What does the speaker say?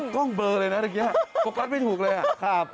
กล้องเบอร์เลยนะเมื่อกี้โฟกัสไม่ถูกเลย